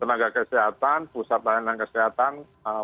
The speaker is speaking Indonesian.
tenaga kesehatan pusat layanan kesehatan